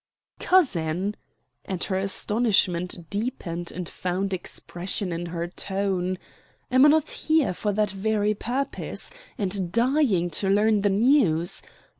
"Cousin!" and her astonishment deepened and found expression in her tone. "Am I not here for that very purpose and dying to learn the news?